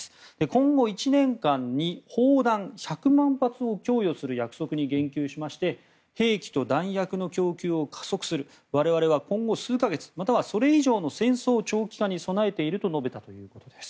今後１年間に砲弾１００万発を供与する約束に言及しまして兵器と弾薬の供給を加速する我々は今後数か月またはそれ以上の戦争長期化に備えていると述べたということです。